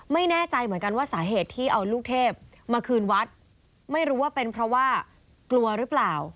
ไม่แน่ใจเหมือนกันว่าสาเหตุที่เอาลูกเทพมาคืนวัดไม่รู้ว่าเป็นเพราะว่ากลัวหรือเปล่า